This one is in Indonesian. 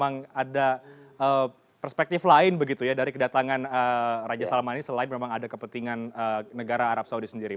memang ada perspektif lain begitu ya dari kedatangan raja salman ini selain memang ada kepentingan negara arab saudi sendiri